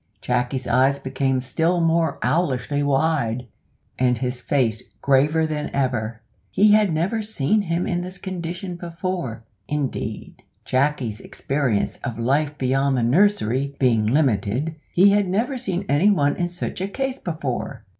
Jacky's eyes became still more owlishly wide, and his face graver than ever. He had never seen him in this condition before indeed, Jacky's experience of life beyond the nursery being limited, he had never seen any one in such a case before.